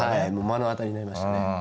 目の当たりになりましたね。